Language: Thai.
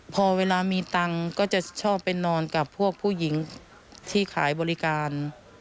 พอเวลามีตังค์ก็จะชอบไปนอนกับพวกผู้หญิงที่ขายบริการ